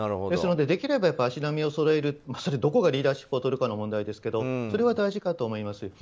ですのでできれば足並みをそろえるどこがリーダーシップをとるかの問題ですけどそれが大事かと思います。